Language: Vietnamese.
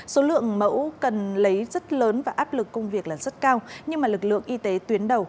số lượng mẫu cần lấy rất lớn và áp lực công việc là rất cao nhưng lực lượng y tế tuyến đầu